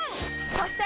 そして！